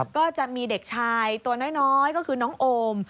ก็จะมีเด็กชายตัวน้อยก็คือน้องโอม